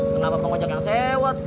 kenapa kau ngajak yang sewet